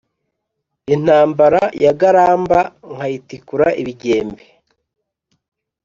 Intambara yagaramba nkayitikura ibigembe,